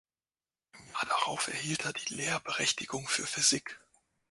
Im Jahr darauf erhielt er die Lehrberechtigung für Physik.